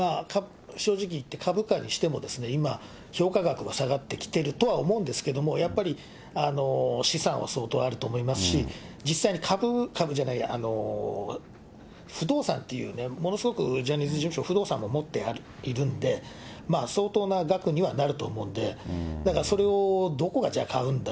正直言っても株価にしても、今、評価額は下がってきてるとは思うんですけど、やっぱり資産は相当あると思いますし、実際に株、株じゃないや、不動産っていうね、ものすごくジャニーズ事務所、不動産も持っているんで、相当な額にはなると思うんで、だからそれをどこがじゃあ買うんだ。